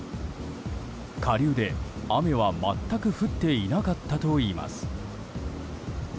下流で雨は全く降っていなかったといいます。